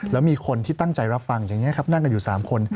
แล้วมีคนที่ตั้งใจรับฟังอย่างนี้ครับนั่งกันอยู่๓คน